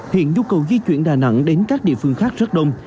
hiện nhu cầu di chuyển đà nẵng đến các địa phương khác rất đông